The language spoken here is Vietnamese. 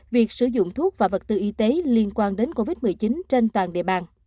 việc sử dụng thuốc và vật tư y tế liên quan đến covid một mươi chín trên toàn địa bàn